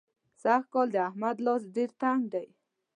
سږکال د احمد لاس ډېر تنګ دی.